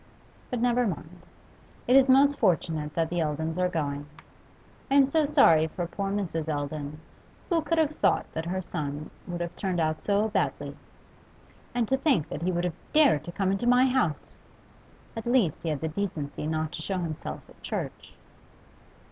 But never mind; it is most fortunate that the Eldons are going. I am so sorry for poor Mrs. Eldon; who could have thought that her son would turn out so badly! And to think that he would have dared to come into my house! At least he had the decency not to show himself at church.